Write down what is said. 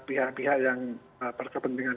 pihak pihak yang berkepentingan